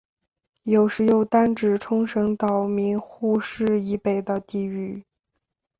有时又单指冲绳岛名护市以北的地域。